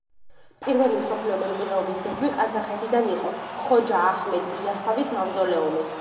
პირველი მსოფლიო მემკვიდრეობის ძეგლი ყაზახეთიდან იყო ხოჯა აჰმედ იასავის მავზოლეუმი.